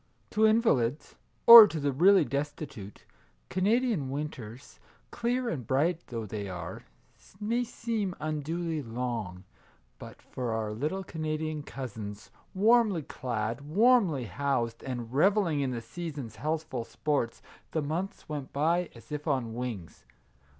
To invalids, or to the really destitute, Cana dian winters, clear and bright though they are, may seem unduly long ; but for our little Canadian Cousins, warmly clad, warmly housed, and revelling in the season's healthful sports, the months went by as if on wings.